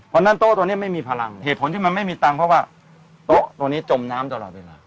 เพราะฉะนั้นโต๊ะตัวนี้ไม่มีพลังเหตุผลที่มันไม่มีตังค์เพราะว่าโต๊ะตัวนี้จมน้ำตลอดเวลา